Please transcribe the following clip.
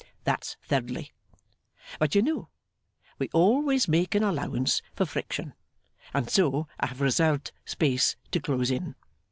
That's thirdly. But you know we always make an allowance for friction, and so I have reserved space to close in.